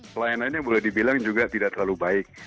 pelayanannya boleh dibilang juga tidak terlalu baik